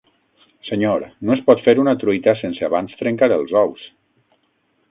Senyor, no es pot fer una truita sense abans trencar els ous.